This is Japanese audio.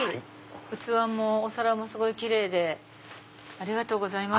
器もお皿もすごいキレイでありがとうございます。